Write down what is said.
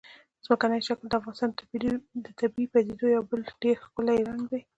ځمکنی شکل د افغانستان د طبیعي پدیدو یو بل ډېر ښکلی رنګ دی.